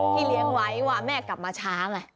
เลี้ยงไว้ว่าแม่กลับมาช้าไง